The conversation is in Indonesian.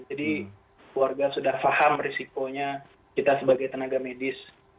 jadi keluarga sudah paham risikonya kita sebagai tenaga medis